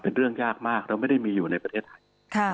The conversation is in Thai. เป็นเรื่องยากมากเราไม่ได้มีอยู่ในประเทศไทย